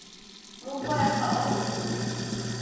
موږ باید فعال اوسو.